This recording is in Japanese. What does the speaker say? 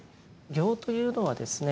行というのはですね